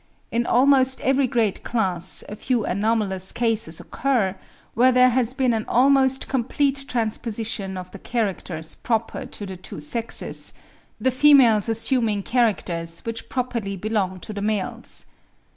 In almost every great class a few anomalous cases occur, where there has been an almost complete transposition of the characters proper to the two sexes; the females assuming characters which properly belong to the males.